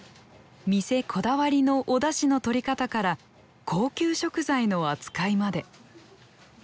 店こだわりのおだしのとり方から高級食材の扱いまで。